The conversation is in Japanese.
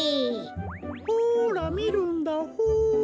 ほらみるんだホー。